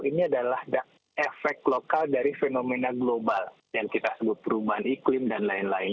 ini adalah efek lokal dari fenomena global yang kita sebut perubahan iklim dan lain lain